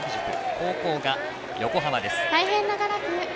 後攻が横浜です。